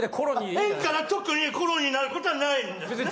円から直にコロンになることはないんですね。